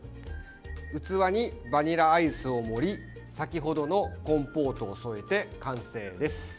器にバニラアイスを盛り先程のコンポートを添えて完成です。